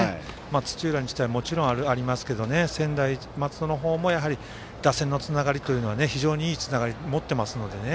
土浦日大、もちろんありますけど専大松戸の方も打線のつながりというのは非常にいいつながり持ってますのでね。